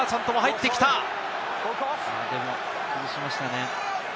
でも崩しましたね。